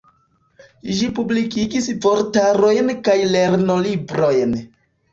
Ĝi publikigis vortarojn kaj lernolibrojn.